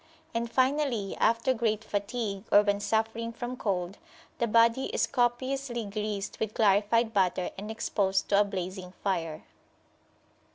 And, finally, after great fatigue, or when suffering from cold, the body is copiously greased with clarified butter and exposed to a blazing fire.